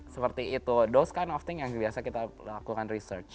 seperti itu those kind of things yang biasa kita lakukan research